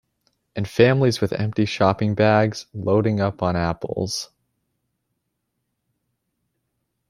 And families with empty shopping bags, loading up on apples.